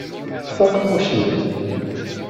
Ṭṭef aqemmuc-im!